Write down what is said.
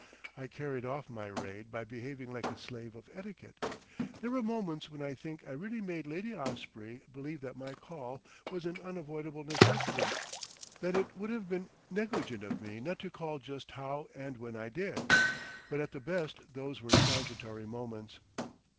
I carried off my raid by behaving like a slave of etiquette. There were moments when I think I really made Lady Osprey believe that my call was an unavoidable necessity, that it would have been negligent of me not to call just how and when I did. But at the best those were transitory moments.